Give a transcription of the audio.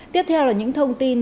tiếp theo là những thông tin